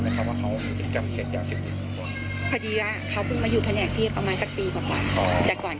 แต่งานพี่ไอ้งานคนไข้อุปเทศเฉยนะครับ